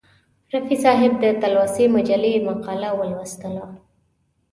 رفیع صاحب د تلوسې مجلې مقاله ولوستله.